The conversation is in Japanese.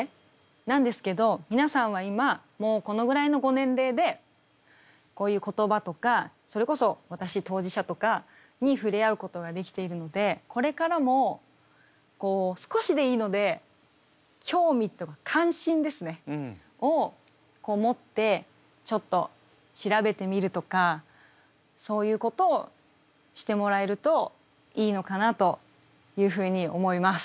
なんですけど皆さんは今もうこのぐらいのご年齢でこういう言葉とかそれこそ私当事者とかに触れ合うことができているのでこれからも少しでいいので興味とか関心を持ってちょっと調べてみるとかそういうことをしてもらえるといいのかなというふうに思います。